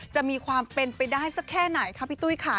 จะมีความเป็นไปได้สักแค่ไหนคะพี่ตุ้ยค่ะ